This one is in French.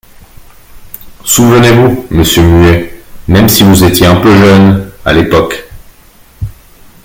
Souvenez-vous, monsieur Muet, même si vous étiez un peu jeune, à l’époque.